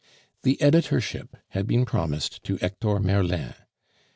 The editorship had been promised to Hector Merlin.